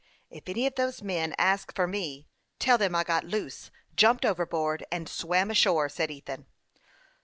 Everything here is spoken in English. If any of those men ask for me, tell them I got loose, jumped overboard, and swam ashore," said Ethan.